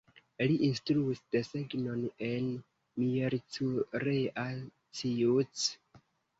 Li instruis desegnon en Miercurea Ciuc.